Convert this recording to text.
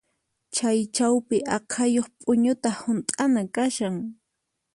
Chay chawpi aqhayuq p'uñuta hunt'ana kashan.